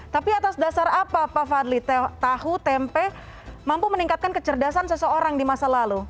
tapi atas dasar apa pak fadli tahu tempe mampu meningkatkan kecerdasan seseorang di masa lalu